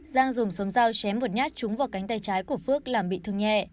giang dùng súng dao chém một nhát trúng vào cánh tay trái của phước làm bị thương nhẹ